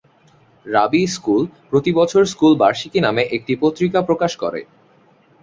রাবি school প্রতি বছর school বার্ষিকী নামে একটি পত্রিকা প্রকাশ করে।